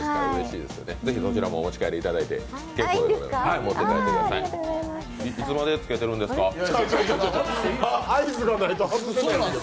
こちらもお持ち帰りいただいて結構ですので。